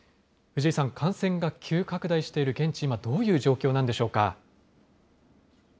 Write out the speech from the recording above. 藤井さん、感染が急拡大している現地、今、どういう状況なんでしょうか。